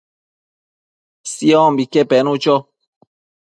Siombique penu cho